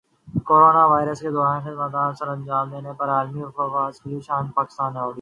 corona virus کے دوران خدمات سرانجام دینے پر علی ظفر کیلئے شان پاکستان ایوارڈ